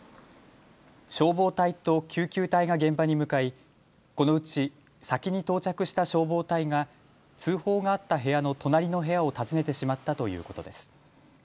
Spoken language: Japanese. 消防隊と救急隊が現場に向かいこのうち先に到着した消防隊が通報があった部屋の隣の部屋を訪ねてしまったということです。